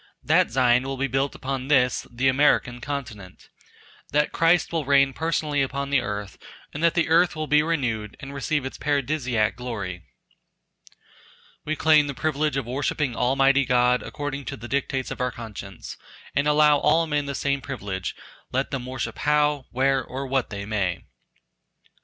That Zion will be built upon this [the American] continent. That Christ will reign personally upon the earth, and that the earth will be renewed and receive its paradisiac glory. We claim the privilege of worshipping Almighty God according to the dictates of our conscience, and allow all men the same privilege let them worship how, where, or what they may.